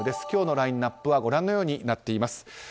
今日のラインアップはご覧のようになっています。